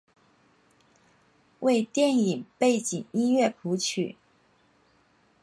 为电影背景音乐谱曲。